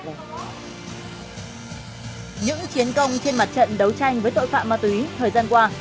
những chiến công trên mặt trận đấu tranh với tội phạm ma túy thời gian qua